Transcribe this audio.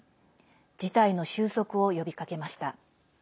事態の収束を呼びかけました。